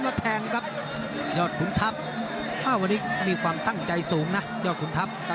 วันนี้มีความตั้งใจสูงนะอดขุนทัพ